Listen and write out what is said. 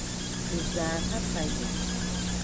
Ti zaaha pa yim.